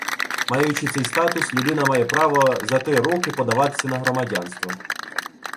Маючи цей статус, людина має право за три роки подаватися на громадянство